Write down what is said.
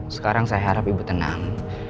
sekarang saya harap ibu tenang